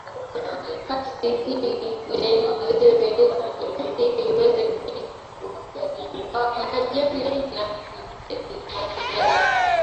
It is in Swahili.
Pishi hili laweza kupikwa na majani ya matembele